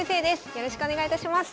よろしくお願いします。